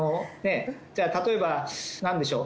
じゃあ例えばなんでしょう。